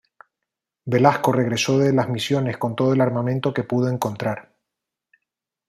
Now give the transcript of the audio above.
Velasco regresó de las Misiones con todo el armamento que pudo encontrar.